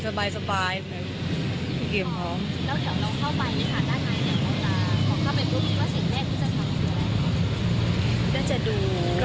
เข้าไปภาระไหนแล้วก็ขอเข้าไปรู้สึกว่าสิ่งแรกที่จะทำอยู่อะไร